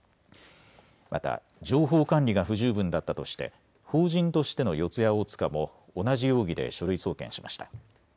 また情報管理が不十分だったとして法人としての四谷大塚も同じ容疑で書類送検しました。